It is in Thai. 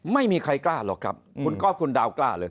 ไม่มีใครกล้าหรอกครับคุณก๊อฟคุณดาวกล้าเลย